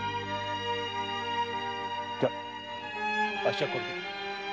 じゃああっしはこれで。